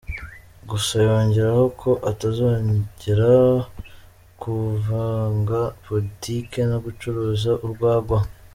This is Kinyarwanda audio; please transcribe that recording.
Gusa yongeraho ko atazongera kuvanga boutique no gucuruza urwagwa.